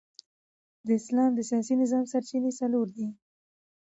د اسلام د سیاسي نظام سرچینې څلور دي.